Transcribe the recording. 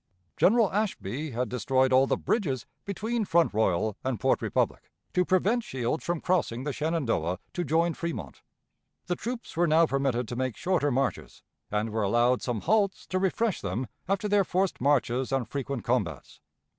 General Ashby had destroyed all the bridges between Front Royal and Port Republic, to prevent Shields from crossing the Shenandoah to join Fremont. The troops were now permitted to make shorter marches, and were allowed some halts to refresh them after their forced marches and frequent combats.